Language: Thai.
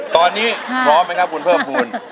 ตอนนี้พร้อมไหมครับคุณเพิ่มภูมิ